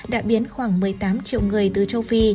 đã biến khoảng một mươi tám triệu người từ châu phi